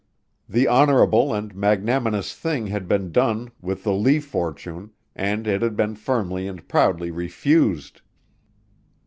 The honorable and magnanimous thing had been done with the Lee fortune, and it had been firmly and proudly refused.